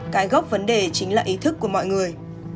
cái gốc vấn đề chính là ý thức của mọi người